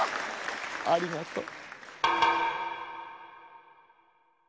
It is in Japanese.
ありがとう。